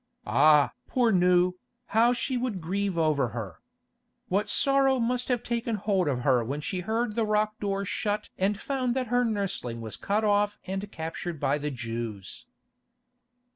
Ah! poor Nou, how she would grieve over her. What sorrow must have taken hold of her when she heard the rock door shut and found that her nursling was cut off and captured by the Jews.